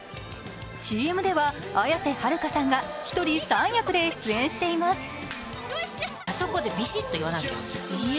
ＣＭでは綾瀬はるかさんが１人３役で出演しています。